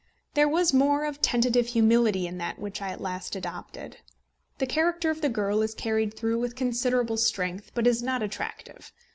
There was more of tentative humility in that which I at last adopted. The character of the girl is carried through with considerable strength, but is not attractive.